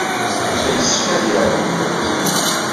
Yella yessefk ad yarem.